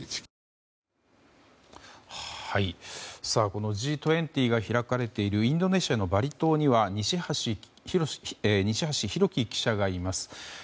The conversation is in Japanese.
このＧ２０が開かれているインドネシアのバリ島には西橋拓輝記者がいます。